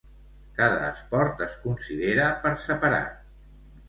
Cada esport es considera per separat.